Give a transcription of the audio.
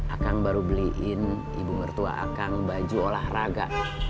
akang baru beliin ibu mertua akang baju olahraga